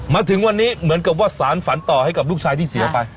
มาถึงวันนี้เหมือนกับว่าสารฝันต่อให้กับลูกชายที่เสียไป